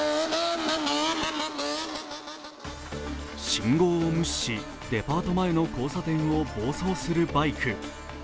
信号を無視し、デパート前の交差点を暴走するバイク。